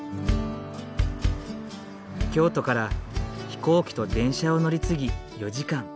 京都から飛行機と電車を乗り継ぎ４時間。